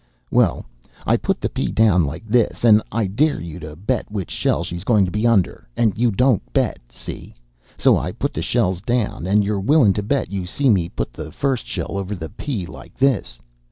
"Well, I put the pea down like this, and I dare you to bet which shell she's goin' to be under, and you don't bet, see? So I put the shells down, and you're willin' to bet you see me put the first shell over the pea like this.